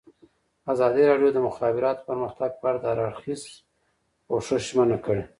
ازادي راډیو د د مخابراتو پرمختګ په اړه د هر اړخیز پوښښ ژمنه کړې.